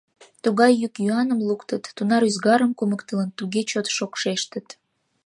Тугай йӱк-йӱаным луктыт, тунар ӱзгарым кумыктылын туге чот шокшештыт...